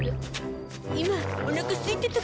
今おなかすいてたから。